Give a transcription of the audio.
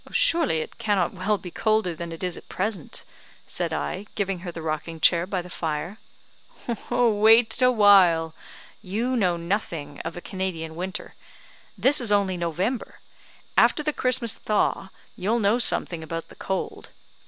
"Surely it cannot well be colder than it is at present," said I, giving her the rocking chair by the fire. "Wait a while; you know nothing of a Canadian winter. This is only November; after the Christmas thaw, you'll know something about the cold.